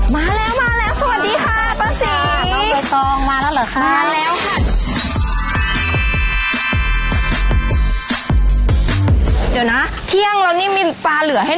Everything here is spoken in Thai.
มาแล้วมาแล้วสวัสดีค่ะป้าศรี